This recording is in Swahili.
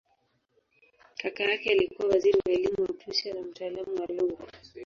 Kaka yake alikuwa waziri wa elimu wa Prussia na mtaalamu wa lugha.